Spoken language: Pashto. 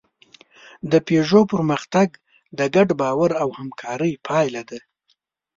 د پيژو پرمختګ د ګډ باور او همکارۍ پایله ده.